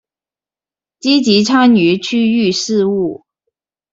積極參與區域事務